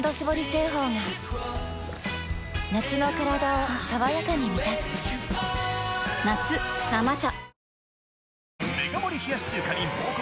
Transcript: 製法が夏のカラダを爽やかに満たす夏「生茶」